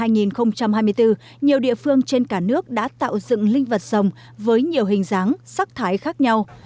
năm hai nghìn hai mươi bốn nhiều địa phương trên cả nước đã tạo dựng linh vật rồng với nhiều hình dáng sắc thái khác nhau